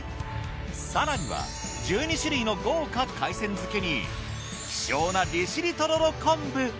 更には１２種類の豪華海鮮漬に希少な利尻とろろ昆布。